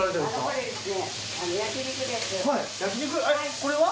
これは？